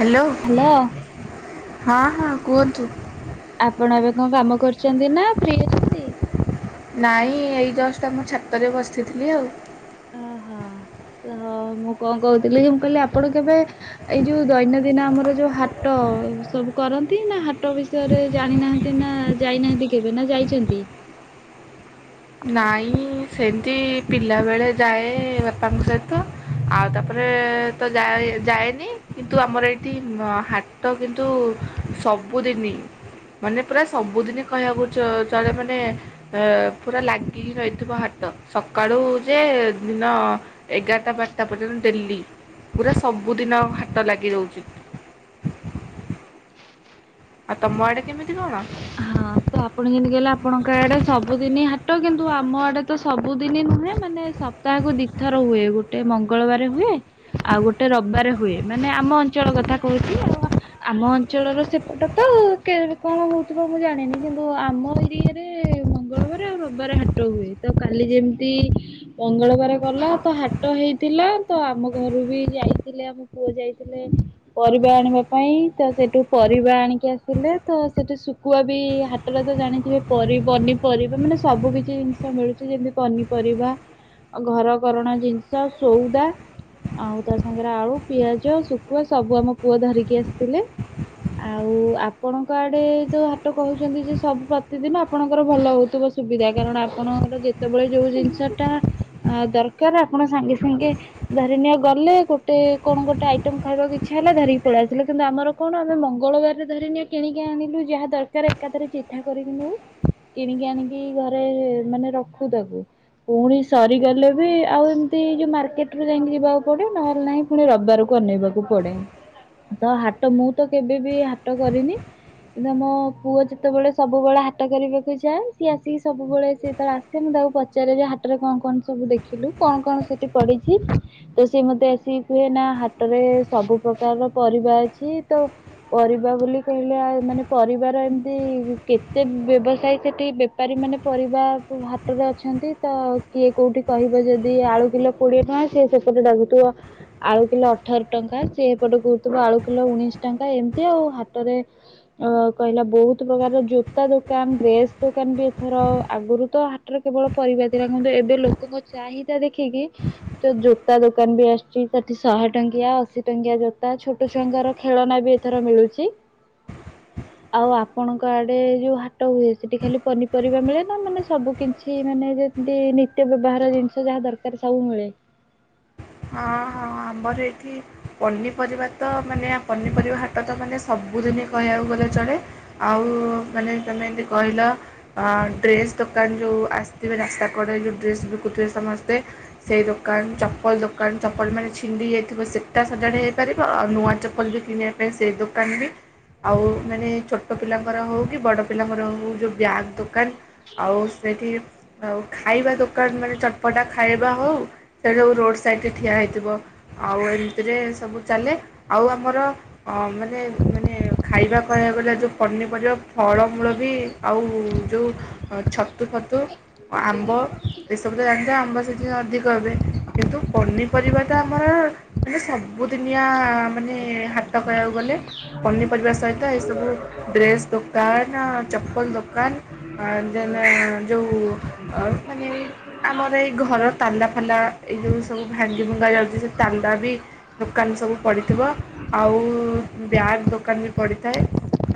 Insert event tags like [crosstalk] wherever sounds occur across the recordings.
Hello ହଁ ହଁ କୁହନ୍ତୁ। ଆପଣ ଏବେ କଣ କାମ କରୁଛନ୍ତି ନା ଫ୍ରୀ ଆଛ ନାଇଁ ଏଇ ଜଷ୍ଟ ଆମ ଛାତରେ ବସିଥିଲି ଆଉ। ଓହୋ ହଉ ମୁଁ କଣ କହୁଥିଲି ଯେ ମୁଁ କହିଲି ଆପଣ କେବେ ଏଇ ଯୋଉ ଦୈନନ୍ଦିନ ଆମର ଯୋଉ ହାଟ ସବୁ କରନ୍ତି ନା ହାଟ ବି ରେ ଜାଣିନାହାନ୍ତି ନା ଯାଇନାହାନ୍ତି କେବେ ନା ଯାଇଛନ୍ତି। ନାଇଁ ସେମିତି ପିଲାବେଳେ ଯାଏ ବାପାଙ୍କ ସହିତ। ଆଉ ତାପରେ ତ ଯାଏ ଯାଏନି କିନ୍ତୁ ଆମର ଏଇଠି ହା ଟ କିନ୍ତୁ ସବୁଦିନ। ମାନେ ପୁରା ସବୁଦିନି କହିବାକୁ ଚଳେ ମାନେ ଅ ପୁରା ଲାଗିକିି ରହିଥିବ ହାଟ ସକାଳୁ ଯେ ଦିନ ଏଗାରଟା ବାରଟା ପର୍ଯ୍ୟନ୍ତ ଡେଲି ପୁରା ସବୁଦିନ ହାଟ ଲାଗି ରାଉଛି। ଆଉ ତମ ଆଡେ କେମିତି କଣ? ହଁ ତ ଆପଣ ଯେମିତି କହିଲେ ଆପଣଙ୍କ ଆଡ଼େ ସବୁଦିନ ହାଟ କିନ୍ତୁ ଆମ ଆଡ଼େ ତ ସବୁଦିନ ନୁହେଁ ମାନେ ସ ତାହ କୁ ଦି ଥର ହୁଏ ଗୋଟେ ମଙ୍ଗଳବାର ହୁଏ ଆଉ ଗୋଟେ ରବାର ହୁଏ ମାନେ ଆମ ଅଞ୍ଚଳ କଥା କହୁଛି ଆଉ। ଆମ ଅଞ୍ଚଳର ସେପଟ ତ କେ କଣ ହଉ ଥିବ ମୁଁ ଜାଣିନି କିନ୍ତୁ ଆମ ଏରିଆରେ ମଙ୍ଗଳବାର ଆଉ ରବିବାର ହାଟ ହୁଏ ତ କାଲି ଯେମିତି ମଙ୍ଗଳବାର ଗଲା ତ ହାଟ ହେଇଥିଲା ତ ଆମ ଘରୁ ବି ଯାଇଥିଲେ ଆମ ପୁଅ ଯାଇଥିଲେ। ପରିବା ଆଣିବା ପାଇଁ ତ ସେଇଠୁ ପରିବା ଆଣିକି ଆସିଲେ ତ ସେଠୁ ଶୁ କୁଆ ବି ହାଟରେ ତ ଜାଣିଥିବେ ପର ପନିପରିବା ମାନେ ସବୁ କିଛି ଜିନିଷ ମିଳୁଛି। ଯେମିତି ପନିପରିବା ଘର କରଣ ଜିନିଷ ସଉଦା ଆଉ ତା ସାଙ୍ଗରେ ଆଳୁ ପିଆଜ ଶୁଖୁଆ ସବୁ ଆମ ପୁଅ ଧରିକି ଆସିଥିଲେ। ଆଉ ଆପଣଙ୍କ ଆଡେ ହାଟ କହୁଛନ୍ତି ଯେ ସବୁ ପ୍ରତିଦିନ ଆପଣଙ୍କର ଭଲ ହଉଥିବ ସୁବିଧା କାରଣ ଆପଣଙ୍କର ଯେ ଯେତେବେଳେ ଯୋଉ ଜିନିଷଟା ଦରକାର ଆପଣ ସାଙ୍ଗେ ସାଙ୍ଗେ ଧରିିନିଅ ଗଲେ ଗୋଟେ କଣ ଗୋଟେ ଆଇଟମ ଖାଇବାକୁ ଇଚ୍ଛା ହେଲା ଧରିକି ପଳେଇ ଆସିଲେ କିନ୍ତୁ ଆମର କଣ ଆମେ ମଙ୍ଗଳବାରେ ଧରିନିଅ କିଣିକି ଆଣିଲୁ ଯାହା ଦରକାର ଏକାଥରେ ଚିଠା କରିକି ନୋଉ। କିଣିକି ଆଣିକି ଘରେ ମାନେ ରଖୁ ତାକୁ ପୁଣି ସରିଗଲେ ବି ଆଉ ଏମିତି ଯୋଉ ମାର୍କେଟ ରୁ ଯାଇକି ଯିବାକୁ ପଡେ ନହେଲେ ନାଇଁ ପୁଣି ରବାରକୁ ଅନେଇବାକୁ ପଡେ ତ ହାଟ ମୁଁ ତ କେବେ ବିି ହାଟ କରିନି। କିନ୍ତୁ ଆମ ପୁଅ ଯେତେବେଳେ ସବୁବେଳେ ହାଟ କରିବାକୁ ଯାଏ ସିଏ ଆସିକି ସବୁବେଳେ ସେ ତଳେଆସେ ସେ ମୁଁ ତାକୁ ପଚାରେ ଯେ ହାଟରେ କଣ କଣ ସବୁ ଦେଖିଲୁ କଣ କଣ ସେଠି ପଡିଚି। ତ ସିଏ ମତେ ଆସିକି କୁହେ ନା ହାଟରେ ସବୁ ପ୍ରକାରର ପରିବା ଅଛି ତ ପରିବା ବୋଲି କହିଲେ ଆ ମାନେ ପରିବାର ଏମିତି କେତେ ବ୍ୟବସାୟୀ ସେଠି ବେପାରୀମାନେ ପରିବା ହାଟରେ ଅଛନ୍ତି। ତ କିଏ କୋଉଠି କହିବ ଯଦି ଆଳୁ କିଲୋ କୋଡିଏ ଟଙ୍କା ସିଏ ସେପଟେ ଡାକୁୁଥିବ ଆଳୁ କିଲୋ ଅଠର ଟଙ୍କା ସେ ଏପଟେ କହୁଥିଲ ଆଳୁ କିଲୋ ଉଣେଇଶି ଟଙ୍କା ଏମିତି ଆଉ ହାଟରେ ଅ କହିଲା ବହୁତ ପ୍ରକାର ଜୋତା ଦୋକାନ ଡ୍ରେସ୍ ଦୋକାନ ବି ଏଥର ଆଗରୁ ତ ହା ଟରେ କେବଳ ପରିବା ଥିଲା କିନ୍ତୁ ଏବେ ଲୋକଙ୍କ ଚାହିଦା ଦେଖିକି ଯୋଉ ଜୋତା ଦୋକାନ ବି ଆସିୁଛି ସେଠି ଶହେ ଟଙ୍କିଆ ଅଶୀ ଟଙ୍କିଆ ଜୋତା ଛୋଟ ଛୁଆଙ୍କର ଖେଳନା ବି ଏଥର ମିଳୁଚି। ଆଉ ଆପଣଙ୍କ ଆଡେ ହେଉ ହାଟ ହୁଏ ସେଠି ଖାଲି ପନିପରିବା ମିଳେ ନା ମାନେ ସବୁ କି କିଛି ମାନେ ଯେମିତି ନିତ୍ୟ ବ୍ୟବହାର ଜିନିଷ ଯାହା ଦରକାର ସବୁ ମିଳେ। ହଁ ହଁ ଆମର ଏଇଠି ପନିପରିବା ତ ମାନେ ଆ ପନିପରିବା ହା ଟ ତ ମାନେ ସବୁଦିନ କହିବାକୁ ଗଲେ ଚଳେ ଆଉ ମାନେ ତମେ ଯେମିତି କହିଲ ଅ ଡ୍ରେସ ଦୋକାନ ଯୋଉ ଆସିଥିବେ ରାସ୍ତା କଡ ଯୋଉ ଡ୍ରେସ ବିକୁଥିବେ ସମସ୍ତେ। ସେଇ ଦୋକାନ ଚପଲ ଦୋକା କାନ ଚପଲ ମାନ ଛିଣ୍ଡି ଯାଇଥିବ ସେଇଟା ସଜାଡି ହେଇପାରିବ ଆଉ ନୂଆ ଚପଲ ବି କିଣିବା ପାଇଁ ସେଇ ଦୋକାନ ବି ଆଉ ମାନେ ଛୋଟ ପିଲାଙ୍କର ହଉ କି ବଡ଼ ପିଲାଙ୍କର ହଉ ଯୋଉ ବ୍ୟାଗ୍ ଦୋକାନ। ଆଉ ସେଇଠି ଆଉ ଖାଇବା ଦୋକାନ ମାନେ ଚଟପଟା ଖାଇବା ହଉ ସେଇ ଯୋଉ ସବୁ ରୋଡ ସାଇଡରେ ଠିଆ ହେଇଥିବ। ଆଉ ଏମିତିରେ ସବୁ ଚାଲେ ଆଉ ଆମର ହଁ ମାନେ ମାନେ ଖାଇବା କହିବାକୁ ଗଲେ ଯଉ ପନିପରିବା ଫଳମୂଳ ବି ଆଉ ଯେଉଁ ଛତୁ ଫତୁ ଆମ୍ବ ଏସବୁ ତ ଜାଣିଥିବେ ଆମ୍ବ ସେ ଯୋଉ ଅଧିକ ଏବେ କିନ୍ତୁ ପରରିବା ତ ଆମର ମାନେ ସବୁଦିନିଆ ମାନେ ହାଟ କହିବାକୁ ଗଲେ। ପନିପରିବା ସହିତ ଏସବୁ ଡ୍ରେସ୍ ଦୋକାନ ଚପଲ ଦୋକାନ ଅ ଯେନେ ଯୋଉ ଅ ମାନେ ଏଇ ଆମର ଏଇ ଘର ତାଲା ଫାଲା ଏଇ ଯୋଉ ସବୁ ଭାଙ୍ଗି ଭୁଙ୍ଗା ଯାଉଚି ସେ ତାଲା ବି ଦୋକାନ ସବୁ ପଡ଼ିଥିବ ଆଉ ବ୍ୟାଗ୍ ଦୋକାନ ବି ପଡ଼ିଥାଏ।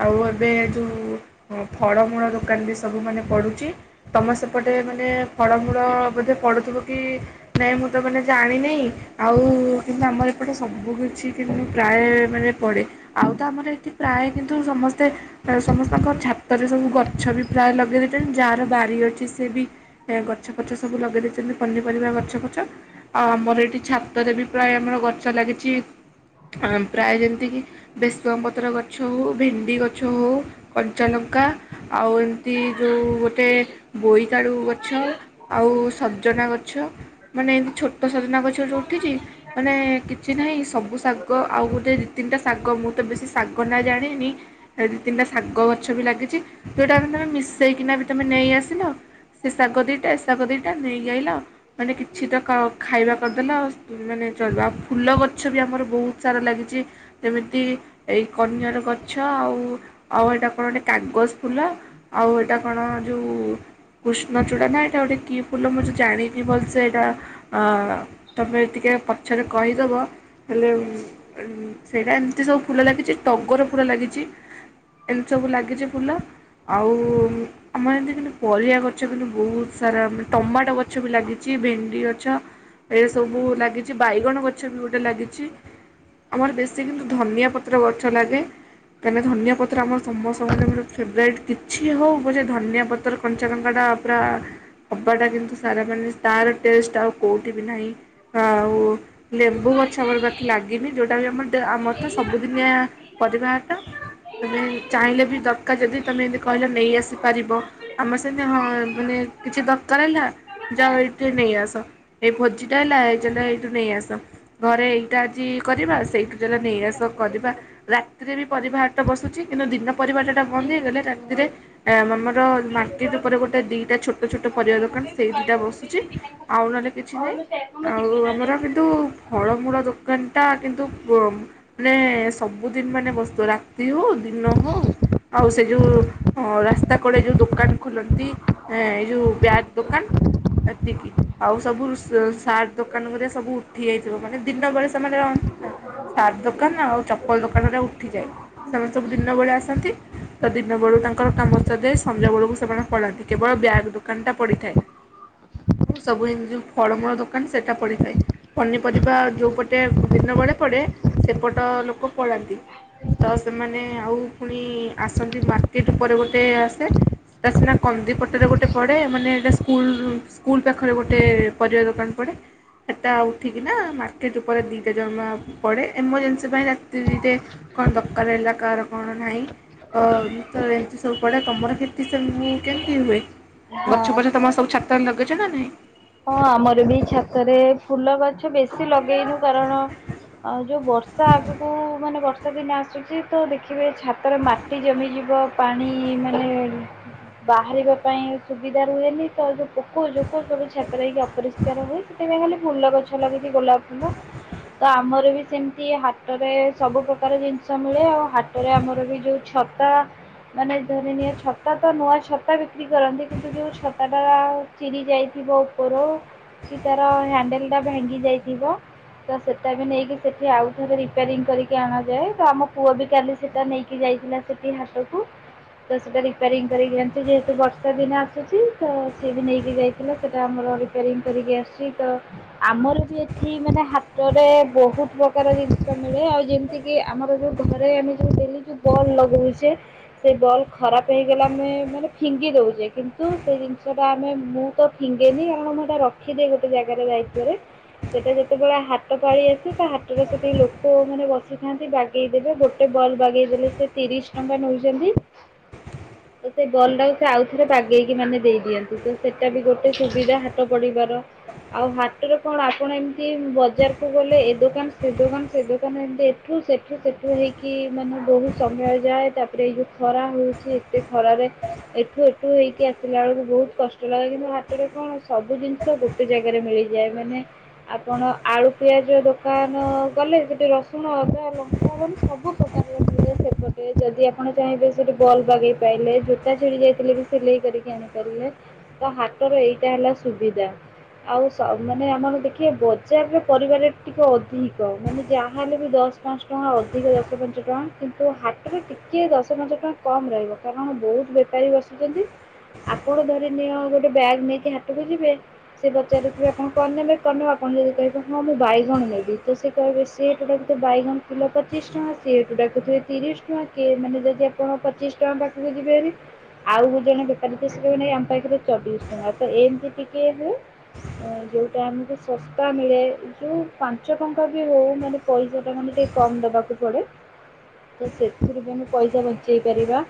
ଆଉ ଏବେ ଯେଉଁ ଫଳମୂଳ ଦୋକାନ ବି ସବୁ ମାନେ ପଡ଼ୁଚି। ତମେ ସେପଟେ ମାନେ ଫଳମୂଳ ବୋଧେ ପଡୁଥିବ କି ନାଇଁ ମୁ ତ ମାନେ ଜାଣିନେଇ ଆଉ କିନ୍ତୁ ଆମର ଏପଟେ ସବୁ କିଛି କିନ୍ତୁ ପ୍ରାୟ ମାନେ ପଡ଼େ। ଆଉ ତ ଆମର ଏଠି ପ୍ରାୟ କିନ୍ତୁ ସମସ୍ତେ ସମସ୍ତଙ୍କ ଛାତରେ ସବୁ ଗଛ ବି ପ୍ରାୟ ଲଗେଇ ଦେଇଥାନ୍ତି ଯାହାର ବାରି ଅଛି ସେ ବି ଏ ଗଛ ଫଛ ସବୁ ଲଗେଇ ଦେଇଛନ୍ତି ପନିପରିବା ଗଛ ଫଛ। ଆଉ ଆମର ଏଇଠି ଛାତରେ ବି ପ୍ରାୟ ଆମର ଗଛ ଲାଗିଛି ଆ ପ୍ରାୟ ଯେମିତି କିି ବେସୁଗା ପତର ଗଛ ହଉ ଭେଣ୍ଡି ଗଛ ହଉ କଞ୍ଚାଲଙ୍କା। ଆଉ ଏମିତି ଯୋଉ ଗୋଟେ ବୋଇତାଳୁ ଗଛ। ଆଉ ସଜନା ଗଛ ମାନେ ଏମତି ଛୋଟ ସଜନା ଗଛ ଯୋଉ ଉଠିଚି। ମାନେ କିଛି ନାହିଁ ସବୁ ଶାଗ ଆଉ ଗୋଟେ ଦିଇ ତିନିଟା ଶାଗ ମୁଁ ତ ବେଶୀ ଶାଗ ନା ଜାଣିନି। ସେ ଦି ତିନିଟା ଶାଗ ଗଛ ବି ଲାଗିଚି ଯୋଉଟା ଆମେ ତମେ ମିଶେଇକିନା ବି ତମେ ନେଇ ଆସିଲ। ସେ ଶାଗ ଦିଟା ଏ ଶାଗ ଦିଟା ନେଇଯାଇଲ ମାନେ କିଛି ତ। ତ ଖାଇବା କରିଦେଲ ଆଉ ମାନେ ଚଳିବ ଆଉ ଫୁଲ ଗଛ ବି ଆମର ବହୁତ ସାରା ଲାଗିଚି। ଯେମିତି ଏଇ କନ୍ୟାର ଗଛ ଆଉ ଆଉ ଏଇଟା କଣ ଗୋଟେ କାଗଜ ଫୁଲ ଆଉ ଏଇଟା କଣ ଯେଉ କୃଷ୍ଣଚୂଡ଼ା ନା ଏଇଟା ଗୋଟେ କି ଫୁଲ ମୁଁ ଜାଣିନି ଭଲ ସେଇଟା ଆ ତମେ ଟିକେ ପଛରେ କହିଦେବ। ହେଲେ ସେଇଟା ଏମିତି ସବୁ ଫୁଲ ଲାଗିଛି ଟଗର ଫୁଲ ଲାଗିଛି। ଏମିତି ସବୁ ଲାଗିଛି ଫୁଲ ଆଉ ଆମର ଏମିତି କିନ୍ତୁ ପରିବା ଗଛ କିନ୍ତୁ ବହୁତ ସାରା ଟମାଟୋ ଗଛ ବି ଲାଗିଛି ଭେଣ୍ଡି ଗଛ। ଗଛ ଏ ସବୁ ଲାଗିଛି ବାଇଗଣ ଗଛ ବି ଗୋଟେ ଲାଗିଛି। ଆମର ବେଶୀ କିନ୍ତୁ ଧନିଆ ପତ୍ର ଗଛ ଲାଗେ। କାହିଁକି ଧନିଆ ପତ୍ର ଆମ ସମସ୍ତଙ୍କ ମାନେ ଫେବରାଇଟ୍ କିଛି ହେଉ ପଛେ ଯେ ଧନିଆ ପତ୍ର। କଞ୍ଚା ଲଙ୍କା ଟା ପୁରା ହବାଟା କିନ୍ତୁ ସାରା ମାନେ ତାର ଟେଷ୍ଟ ଆଉ କୋଉଠି ବି ନାହିଁ ତ ଆଉ ଲେମ୍ବୁ ଗଛ ଆମର ବାକି ଲାଗିନି ଯୋଉଟା ବି ଆମର ତ ଆମର ତ ସବୁଦିନିଆ ପରିବା ହାଟ। ତୁମେ ଚାହିଁଲେ ବି ଦରକାର ଯଦି ତୁମେ ଏମିତି କହିଲେ ନେଇ ଆସିପାରିବ। ଆମର ସେମିତି ହଁ ମାନେ କିଛି ଦରକାର ହେଲା ଯାଅ ଏଇଟି ନେଇ ଆସ। ଏ ଭୋଜିଟା ହେଲା ହେ ଚାଲ ହେଠୁ ନେଇ ଆସ। ଘରେ ଏଇଟା ଆଜି କରିବା ସେଇଠୁ ଚାଲ ନେଇ ଆସ କରିବା। ରାତିରେ ବି ପରିବା ହାଟ ବସୁଛି କିନ୍ତୁ ଦିନ ପରିବାଟା ଟା ବନ୍ଦ ହେଇଗଲେ ରାତିରେ ଆ ଆମର ମାର୍କେଟ୍ ଉପରେ ଗୋଟେ ଦିଟା ଛୋଟ ଛୋଟ ପରିବା ଦୋକାନ ସେଇ ଦିଟା ବସୁ ଛି ଆଉ ନହଲେ କିଛି ନାଇ ଆଉ ଆମର କିନ୍ତୁ ଫଳମୂଳ ଦୋକାନ ଟା କିନ୍ତୁ ମାନେ ସବୁଦିନ ମାନେ ବସୁଥିବ ରାତି ହଉ ଦିନ ହଉ ଆଉ ସେ ଯେଉ ରାସ୍ତା କଡ଼ ଯେଉଁ ଦୋକାନ ଖୋଲନ୍ତି ହେଁ ଏଯୁ ବ୍ୟାଗ ଦୋକାନ ଏତିକି। ଆଉ ସବୁ ସା ସାର୍ଟ ଦୋକାନ ଉରା ସବୁ ଉଠି ଯାଇଥିବ ମାନେ ଦିନ ବେଳେ ସେମାନେ ରହନ୍ତି ନା। ସାର୍ଟ ଦୋକାନ ଆଉ ଚପଲ ଦୋକାନରେ ଉଠିଯାଏ ସେମାନେ ସବୁ ଦିନ ବେଳେ ଆସନ୍ତି। ତ ଦିନ ବେଳକୁ ତାଙ୍କର କାମ ସରିଯାଏ ସଞ୍ଜ ବେଳକୁ ସେମାନେ ପଳାନ୍ତି କେବଳ ବ୍ୟାଗ୍ ଦୋକାନ ଟା ପଡ଼ିଥାଏ। ଉଁହୁଁ ଆଉ ସବୁ ଏମିତି ଯଉଁ ଫଳମୂଳ ଦୋକାନ ସେଇଟା ପଡ଼ିଥାଏ। ପନିପରିବା ଯେଉଁ ପଟେ ଦିନ ବେଳେ ପଡ଼େ ସେପଟ ଲୋକ ପଳାନ୍ତି। ତ ସେମାନେ ଆଉ ପୁଣି ଆସନ୍ତି ମାର୍କେଟ୍ ଉପରେ ଗୋଟେ ଆସେ ତା ସିନା କନ୍ଦିପଟରେ ଗୋଟେ ପଡ଼େ ମାନେ ଏଇଟା ସ୍କୁଲ୍ ରୁ ସ୍କୁଲ ପାଖରେ ଗୋଟେ ପରିବା ଦୋକାନ ପଡ଼େ। ସେଟା ଉଠିକିନା ମାର୍କେଟ୍ ଉପରେ ଦୁଇଟା ଜମା ପଡ଼େ ଏମର୍ଜେନ୍ସି ପାଇଁ ରାତିରେ କଣ ଦରକାର ହେଲା କାହାର କଣ ନାହିଁ ଅ ତ ଏମିତି ସବୁ ପଡେ ତମର କିନ୍ତୁ ସେବୁ କେମିତି ହୁଏ? ଗଛ ହଁ ପଛ ତମର ସବୁ ଛାତରେ ଲଗେଇଛ ନା ନାହିଁ? ହଁ ଆମର ବି ଛାତରେ ଫୁଲ ଗଛ ବେଶୀ ଲଗେଇନୁ କାରଣ ଆଉ ଯୋଉ ବର୍ଷା ଆଗକୁ ମାନେ ବର୍ଷା ବର୍ଷା ଦିନ ଆସୁଛି ତ ଦେଖିବେ ଛାତରେ ମାଟି ଜମିଯିବ ପାଣି ମାନେ ବାହାରିବା ପାଇଁ ସୁବିଧା ରୁହେନି ତ ଯୋଉ ପୋକ ଯୋକ ସବୁ ଛେ ତାର ହେଇକି ଅପରିଷ୍କାର ହୁଏ। ସେଥିପାଇଁ ଖାଲି ଫୁଲ ଗଛ ଲଗେଇଚି ଗୋଲାପ ଫୁଲ। ତ ଆମର ବି ସେମିତି ହାଟରେ ସବୁ ପ୍ରକାର ଜିନିଷ ମିଳେ ଆଉ ହାଟରେ ଆମର ବି ଯୋଉ ଛ ତା ମାନେ ଧରି ନିଅ ଛତା ତ ନୂଆ ଛତା ବିକ୍ରି କରନ୍ତି କିନ୍ତୁ ଯେଉ ଛତା ଟା ଚିରି ଯାଇଥିବ। ଉପର କି ତାର ହଣ୍ଡେଲ୍‌ ଟା ଭାଙ୍ଗି ଯାଇଥିବ। ତ ସେଟା ବି ନେଇକି ସେଠି ଆଉଥରେ ରିପ୍ୟାରିଙ୍ଗିକରିକି ଆଣାଯାଏ। ତ ଆମ ପୁଅ ବି କାଲି ସେଟା ନେଇକି ଯାଇଥିଲା। ସେଟି ହାଟ କୁ। ତ ସେଇଟା ରିପୋରିଂଙ୍ଗ କରିକି ଆଣିଛି। ଯେହେତୁ ବର୍ଷା ଦିନ ଆସୁଛି ତ ସିଏ ବି ନେଇକି ଯାଇଥିଲା ସେ ସେ ଆମର ରିପ୍ୟାରିଙ୍ଗି କରିକି ଆସିଛି ତ ଆମର ବି ଏଠି ମାନେ ହାଟରେ ବହୁତ ପ୍ରକାର ଜିନିଷ ମିଳେ ଆଉ ଯେମି ଚି କି ଆମର ଯୋଉ ଘରେ ଆମେ ଯୋଉ ଡେଲି ଯଉ ବଲ ଲଗାଉଛେ ସେଇ ବଲ୍ ଖରାପ ହେଇଗଲେ ଆମେ ମାନେ ଫିଙ୍ଗି ଦେଉଛେ। କିନ୍ତୁ ସେ ଜିନିଷଟା ଆମେ ମୁଁ ତ ଫିଙ୍ଗେନି ଆମ ଘରେ ରଖିଦିଏ ଗୋଟେ ଜାଗାରେ ଦାଯିତ୍ବରେ। ସେଟା ଯେତେବେଳେ ହାଟ ପାଳି ଆସି ତା ହାଟରେ ସେଠି ଲୋକ ମାନେ ବସିଥାନ୍ତି ବା ଗେଇଦେବେ ଗୋଟେ ବଲ୍ ବାଗେଇଦେଲେ ସେ ତିରିଶ ଟଙ୍କା ନଉଛନ୍ତି। ତ ସେ ବଲ୍ ଟାକୁ ସେ ଆଉ ଥରେ ବାଗେଇକି ମାନେ ଦେଇଦିଅନ୍ତିୁ ତ ସେଟା ବି ଗୋ ଏତେ ସୁବିଧା ହାତ ପଡିବାର। ଆଉ ହାଟରେ କଣ ଆପଣ ଏମିତି ବଜାରକୁ ଗଲେ ଏ ଦୋକାନ ସେ ଦୋକାନ ସେ ଦୋକାନ ଏମିତି ଏଠୁ ସେଠୁ ସେ ମାନେ ବହୁତ୍ ସମୟ ଯାଏ, ତା'ପରେ ଏଇ ଯଉ ଖରା ହଉଚି। ଏତେ ଖରାରେ ଏଠୁ ଏଠୁ ହେଇକି ଆସିଲା ଳକୁ ବହୁତ୍ କଷ୍ଟ ଲାଗେ। କ'ଣ ସବୁ ଜିନ୍‌ଷ ଗୋଟେ ଜାଗାରେ ମିଳିଯାଏ। ମାନେ ଆପଣ ଆଳୁ, ପିଆଜ ଦୋକାନ ଗଲେ। ସେଠି ରସୁଣ ଅଦା------ସବୁ ସେପଟେ ଯଦି ଆପଣ ଚାହିଁବେ ସେଠି ବଲ୍‌ ବାଗେଇ ପାଇଲେ, ଜୋତା ଛିଡ଼ି ଯାଇଥିଲେ ବି ସିଲେଇ କରିକି ତ ହାଟର ଏଇଟା ହେଲା ସୁବିଧା। ଆଉ, ମାନେ ଆମର ଦେଖିବେ ବଜାର୍ ରେ ପରିବା ରେଟ୍ ଟିକେ ଅଧିକ। ମାନେ ଯାହାହେଲେ ବି ଦଶ୍ ଟଙ୍କା ଅଧିକ ଦଶ ପାଞ୍ଚ ଟଙ୍କା, କିନ୍ତୁ ହାଟରେ ଟିକେ ଦଶ ପାଞ୍ଚ ଟଙ୍କା କମ୍ ରହିବ। କାରଣ ବହୁତ୍ ବେପାରୀ ବସିଚନ୍ତି, ଆପଣ ଧରି ନିଅ ଗୋଟେ ବ୍ୟାଗ୍ ନେଇକି ହାଟକୁ ଯିବେ। ସେ ପଚାରୁ ଥିବେ ଆପଣ କ'ଣ୍ ନେବେ କ'ଣ ନେବେ, ଆପଣ ଯଦି କହିବେ ହଁ ମୁଁ ବାଇଗଣ ନେବି। ତ ସେ ବାଇଗଣ କିଲ ପଚିଶ୍ ଟଙ୍କା ଡ଼ାକୁ ଥିବେ ତିରିଶ୍ ଟଙ୍କା। କିଏ ମାନେ ଯଦି [inaudible] ଚବିଶ୍ ଟଙ୍କା ତ ଏମ୍‌ତି ଟିକେ ହୁଏ, ଯଉଟା ଆମକୁ ଶସ୍ତା ମିଳେ। ଯଉ ପାଞ୍ଚ ଟଙ୍କା ବି ହଉ ମାନେ ପଇସାଟା ମାନେ ଟିକେ କମ୍ ଦେବାକୁ ପଡ଼େ। ତ ସେଥିରୁ ବି ପଇସା ବଞ୍ଚେଇ ପାରିବା।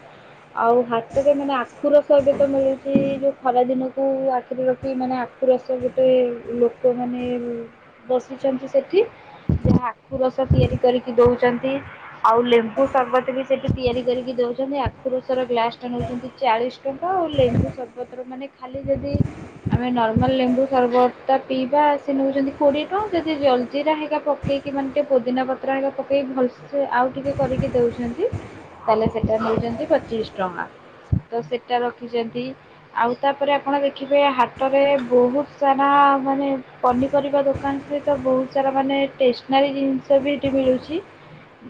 ଆଉ ହାଟରେ ମାନେ ଆଖୁ ରସ ଏବେ ତ ମିଳୁଚି। ଖରା ଦିନକୁ ଆଖିରେ ରଖି, ମାନେ ଆଖୁ ରସ ଗୋଟେ ଲୋକ ମାନେ ବସିଚନ୍ତି ସେଠି, ଯା ଆଖୁ ରସ ତିଆରି କରିକି ଦଉଚନ୍ତି। ଆଉ ଲେମ୍ବୁ ସର୍ବତ ବି ସେଠି ତିଆରି କରିକି ଦଉଚନ୍ତି। ଆଖୁ ର ଗ୍ଲାସ୍‌ ଟା ନଉଚନ୍ତି ଚାଳିଶ୍ ଟଙ୍କା। ଆଉ ଲେମ୍ବୁ ସରବତ୍ ର ମାନେ ଖାଲି ଯଦି ଆମେ ନର୍ମାଲ ଲେମ୍ବୁ ସରବ--ଟା ପିଇବା ସେ ନଉଚନ୍ତି କୋଡ଼ିଏ ଟଙ୍କା। ଯଦି ଜଲ୍ ଜୀରା ହେ ପକେଇ କି ମାନେ ଟିକେ ପୋଦିନା ପତ୍ର ପକେଇ ଭଲ୍‌ ସେ ଆଉ ଟିକେ କରିକି ଦେଉଛନ୍ତି। ତା'ହେଲେ ସେଟା ନଉଚନ୍ତି ପଚିଶ୍ ଟଙ୍କା, ତ ସେଟା ରଖି--ନ୍ତି। ଆଉ ତା'ପରେ ଆପଣ ଦେଖିବେ, ହାଟରେ ବହୁତ୍ ସାରା ମାନେ ପନିପରିବା ଦୋକାନ୍‌। ବହୁତ୍ ସାରା ମାନେ ଟେସ୍‌ନାରୀ ଜିନ୍‌ଷ ବି ଠି ମିଳୁଚି।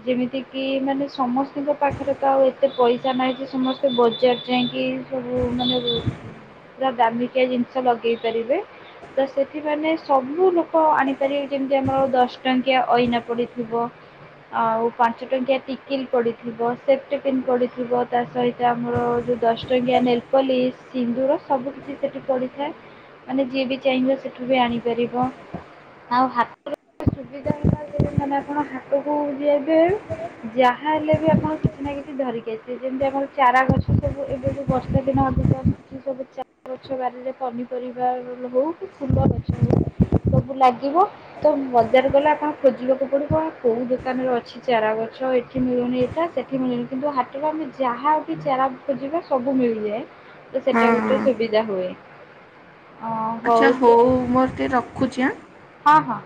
ଯେମିତିକି, ମାନେ ସମସ୍ତିଙ୍କ ପାଖରେ ତ ଆଉ ଏତେ ପଇସା ନାହିଁ ଯେ। ସମସ୍ତେ ବଜାର୍ ଯାଇଁକି [inaudible] ଦାମିକିଆ ଜିନ୍‌ଷ ଲଗେଇ ପାରିବେ। ତ ସେ ସବୁ ଲୋ ଆଣି ପାରିବେ ଯେମିତି ଆମ ଦଶ ଟଙ୍କିଆ ଅଇନା ପଡ଼ି ଥିବ। ଆଉ ପାଞ୍ଚ ଟଙ୍କିଆ ଟିକିଲ୍ ପଡ଼ିଥିବ, ସେପ୍ଟେପିନ୍ ପଡ଼ିଥିବ। ତା ସହି ସେ ଆମର ଯଉ ଦଶ୍ ଟଙ୍ଗିଆ ନେଲ୍ ପଲିସ୍, ସିନ୍ଦୁର ସବୁ କିଛି ସେଠି ପଡ଼ିଥାଏ। ମାନେ ଯିଏ ବି ଚାହିଁବ ସେଠୁ ବି ଆଣିପାରିବ। [inaudible] ହାଟ କୁ ବେ ଯାହା ହେଲେ ବି ଆପଣ କିଛି ନା କିଛି ଧରିକି ଆମର ଚାରା ଗଛ ସବୁ, ଏବେ ଯଉ ବର୍ଷା ଦିନ ଆଗୁକୁ [inaudible] ସବୁ ଲାଗିବ, ତ ବଜାର ଗଲେ ଆପଣ ଖୋଜିବାକୁ ପଡ଼ିବ। କଉ ଦୋକାନରେ ଅ ଚାରା ଗଛ ଏଠି ମିଳୁନି ଏଟା ସେଠି ମିଳୁନି। କିନ୍ତୁ ହାଟ ଆମେ ଯାହା ବି ଚାରା ଖୁଜିବା ସବୁ ମିଳିଯାଏ, ତ ସେଟା ହଁ ଗୁଟେ ସୁବିଦା ହୁଏ। ଆଚ୍ଛା, ହଉ ମର୍ ଟିକେ ରଖୁଚି ଆଁ। ହଁ ହଁ।